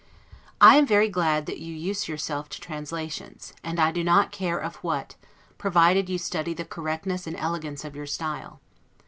I am very glad that you use yourself to translations; and I do not care of what, provided you study the correctness and elegance of your style.